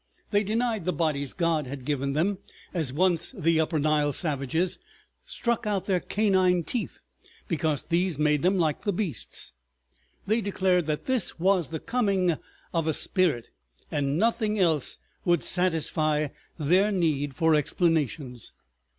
They denied the bodies God had given them, as once the Upper Nile savages struck out their canine teeth, because these made them like the beasts. They declared that this was the coming of a spirit, and nothing else would satisfy their need for explanations.